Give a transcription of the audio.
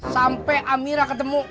sampe amira ketemu